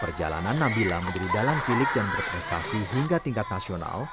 perjalanan nabila menjadi dalang cilik dan berprestasi hingga tingkat nasional